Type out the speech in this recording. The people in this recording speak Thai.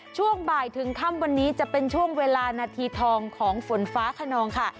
ช่วงบ่ายถึงค่ำวันนี้จะเป็นช่วงเวลานาทีทองของฝนฟ้าขนองค่ะ